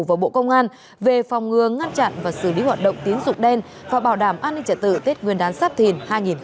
và bộ công an về phòng ngừa ngăn chặn và xử lý hoạt động tín dụng đen và bảo đảm an ninh trả tự tết nguyên đán sắp thìn hai nghìn hai mươi bốn